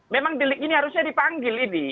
memang harusnya dipanggil ini